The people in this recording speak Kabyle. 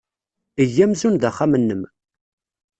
Eg amzun d axxam-nnem.